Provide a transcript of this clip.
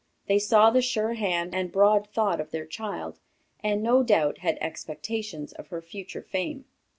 They saw the sure hand and broad thought of their child, and, no doubt, had expectations of her future fame.